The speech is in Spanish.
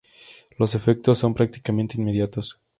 Los efectos son prácticamente inmediatos.